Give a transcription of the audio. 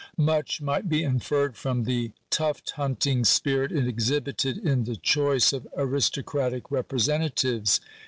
Much might be inferred from the tuft hunting spirit exhibited in the choice of aristocratic representatives.